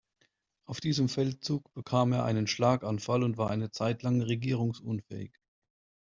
Auf diesem Feldzug bekam er einen Schlaganfall und war eine Zeit lang regierungsunfähig.